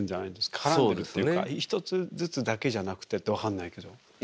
絡んでるっていうか１つずつだけじゃなくてって分かんないけど。